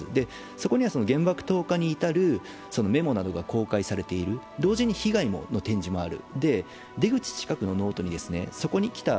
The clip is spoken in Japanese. そこには原爆投下に至るメモなどが公開されている、同時に被害の展示もある。